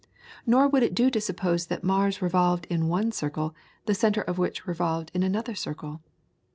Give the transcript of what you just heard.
Nor would it do to suppose that Mars revolved in one circle, the centre of which revolved in another circle.